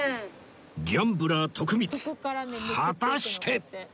ギャンブラー徳光果たして？